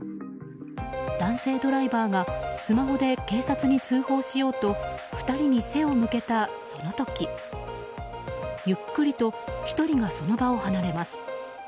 男性ドライバーがスマホで警察に通報しようと２人に背を向けたその時ゆっくりと１人がその場を離れます。